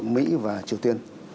mỹ và triều tiên